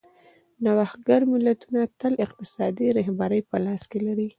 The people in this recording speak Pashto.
نوښتګر ملتونه تل اقتصادي رهبري په لاس کې لري.